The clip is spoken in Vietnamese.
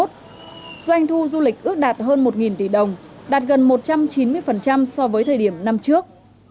doanh thu du lịch ước đạt hơn một tỷ đồng đạt gần một trăm chín mươi so với thời điểm năm trước